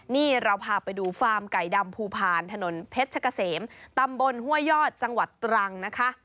นี่เราพาไปดูฟาร์มไก่ดำภูพาลถนนเพชรกะเสมตำบลห้วยยอดจังหวัดตรังนะคะ